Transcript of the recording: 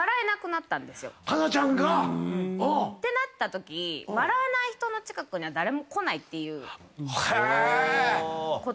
佳奈ちゃんが？ってなったとき笑わない人の近くには誰も来ないっていうことを身に付けて。